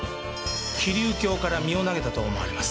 桐生橋から身を投げたと思われます。